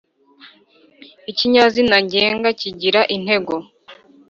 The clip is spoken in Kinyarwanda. ikinyazina ngenga kigira intego